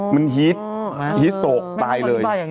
มันฮีตฮีสโตตายเลย